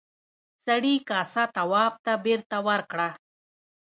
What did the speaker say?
سړي کاسه تواب ته بېرته ورکړه.